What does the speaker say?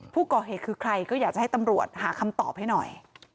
ผู้ก่อเหตุคือใครก็อยากจะให้ตำรวจหาคำตอบให้หน่อย